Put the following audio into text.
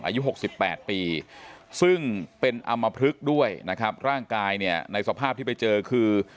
อายุ๖๘ปีซึ่งเป็นอำมพลึกด้วยนะครับร่างกายเนี่ยในสภาพที่ไปเจอคือ